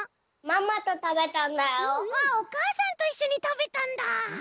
わっおかあさんといっしょにたべたんだ。